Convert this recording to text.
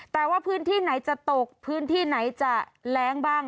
แต่ว่าพื้นที่ไหนจะตกพื้นที่ไหนจะแรงบ้าง